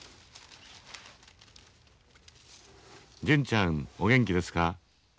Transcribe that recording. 「純ちゃんお元気ですか。